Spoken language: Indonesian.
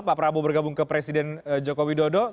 pak prabowo bergabung ke presiden joko widodo